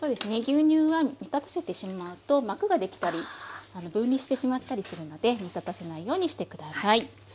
牛乳は煮立たせてしまうと膜ができたり分離してしまったりするので煮立たせないようにして下さい。